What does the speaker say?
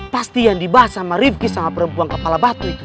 pasti yang dibahas sama rifki sama perempuan kepala batu itu